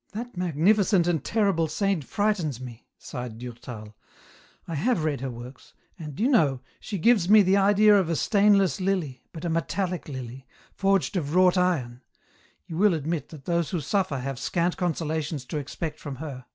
" That magnificent and terrible Saint frightens me," sighed Durtal. " I have read her works, and, do you know, she gives me the idea of a stainless lily, but a metallic lily, forged of wrought iron ; you will admit that those who suffer have scant consolations to expect from her."